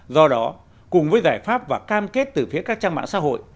do đó cùng với giải pháp và cam kết từ phía các trang mạng xã hội